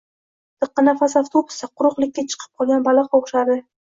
Diqqinafas avtobusda quruqlikka chiqib qolgan baliqqa oʻxshardi